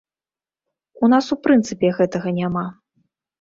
У нас у прынцыпе гэтага няма.